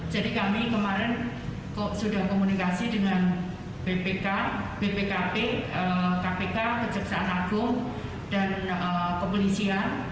jadi kami kemarin sudah komunikasi dengan bpk bpkp kpk kejagung dan kepolisian